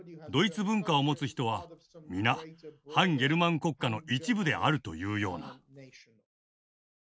ドイツ文化を持つ人は皆汎ゲルマン国家の一部であるというような。